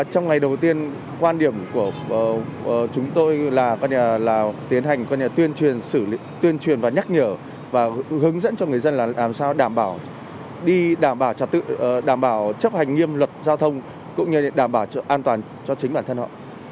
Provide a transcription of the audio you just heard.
trong ngày đầu tiên quan điểm của chúng tôi là tiến hành tuyên truyền và nhắc nhở và hướng dẫn cho người dân là làm sao đảm bảo chấp hành nghiêm luật giao thông cũng như đảm bảo an toàn cho chính bản thân họ